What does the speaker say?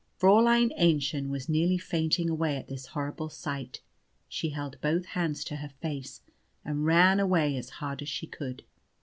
Fräulein Aennchen was nearly fainting away at this horrid sight. She held both hands to her face, and ran away as hard as she could.